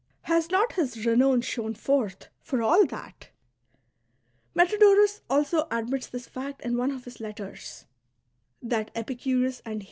Has not his renown shone forth, for all that ? Metrodorus also admits this fact in one of his letters ^': that Epicurus VOL.